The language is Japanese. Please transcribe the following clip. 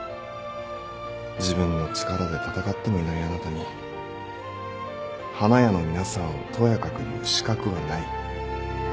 自分の力で戦ってもいないあなたに花屋の皆さんをとやかく言う資格はない。